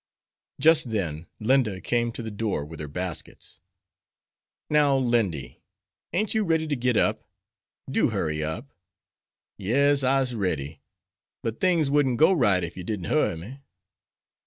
Just then Linda came to the door with her baskets. "Now, Lindy, ain't you ready yet? Do hurry up." "Yes, I'se ready, but things wouldn't go right ef you didn't hurry me."